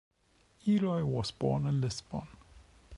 Eloy was born in Lisbon.